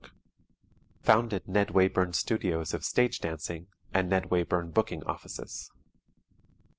Founded Ned Wayburn Studios of Stage Dancing and Ned Wayburn Booking Offices.